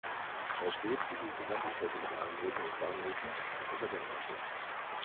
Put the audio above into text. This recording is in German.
Er steht, wie die gesamte Strecke mit allen Brücken und Bahnhöfen, unter Denkmalschutz.